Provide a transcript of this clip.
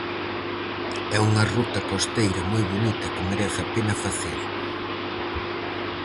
É unha ruta costeira moi bonita que merece a pena facer.